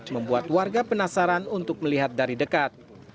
membuat warga penasaran untuk melihat dari dekat